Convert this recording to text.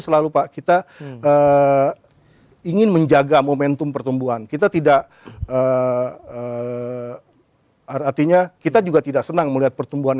selalu pak kita ingin menjaga momentum pertumbuhan kita tidak artinya kita juga tidak senang melihat pertumbuhan